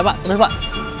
ya pak sudah pak